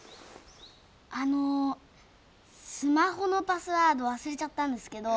あのスマホのパスワード忘れちゃったんですけど。